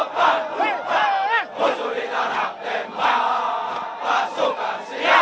prajurit darma putra